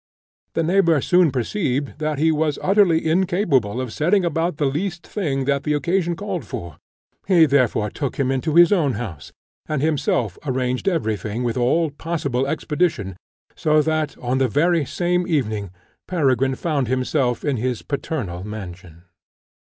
The neighbour soon perceived that he was utterly incapable of setting about the least thing that the occasion called for; he therefore took him to his own house, and himself arranged every thing with all possible expedition, so that, on the very same evening, Peregrine found himself in his paternal mansion.